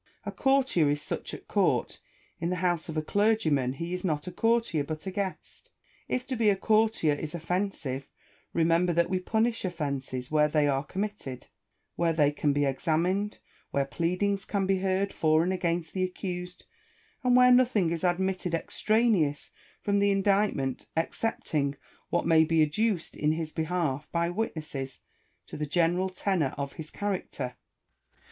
A courtier is such at court : in the house of a clergyman he is not a courtier, but a guest. If to be a courtier is offensive, remember that we punish offences where they are committed, where they can be examined, where pleadings can be heard for and against the accused, and where nothing is admitted extraneous from the indictment, excepting what may be adduced in his behalf by witnesses to the general tenor of his character. Rousseau.